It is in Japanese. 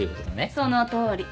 そのとおり。